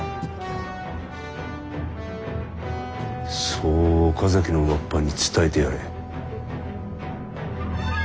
そう岡崎のわっぱに伝えてやれ。